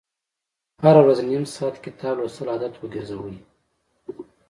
هره ورځ نیم ساعت کتاب لوستل عادت وګرځوئ.